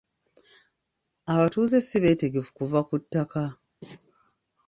Abatuuze si beetegefu kuva ku ttaka.